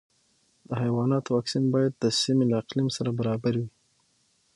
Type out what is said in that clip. د حیواناتو واکسین باید د سیمې له اقلیم سره برابر وي.